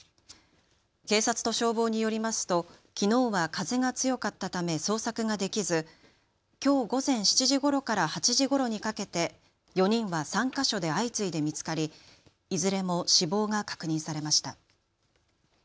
警察と消防によりますときのうは風が強かったため捜索ができずきょう午前７時ごろから８時ごろにかけて４人は３か所で相次いで見つかりいずれも死亡が確認されました。